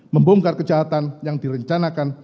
membongkar kejahatan yang direncanakan